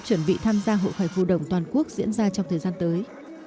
chuẩn bị tham gia hội khỏe phù đồng toàn quốc diễn ra trong thời gian tới